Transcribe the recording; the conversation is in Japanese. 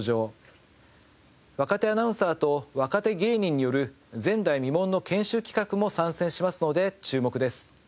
若手アナウンサーと若手芸人による前代未聞の研修企画も参戦しますので注目です。